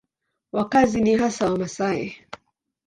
Wakazi ni hasa Wamasai.